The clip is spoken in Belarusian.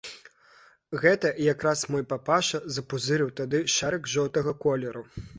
Гэта як раз мой папаша запузырыў тады шарык жоўтага колеру.